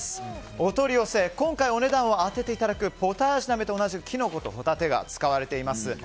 お取り寄せは今回お値段を当てていただくポタージュ鍋と同じキノコとホタテが使われています。